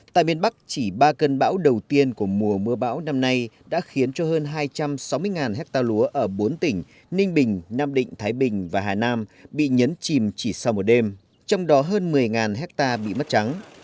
tại miền bắc chỉ ba cơn bão đầu tiên của mùa mưa bão năm nay đã khiến cho hơn hai trăm sáu mươi hectare lúa ở bốn tỉnh ninh bình nam định thái bình và hà nam bị nhấn chìm chỉ sau một đêm trong đó hơn một mươi hectare bị mất trắng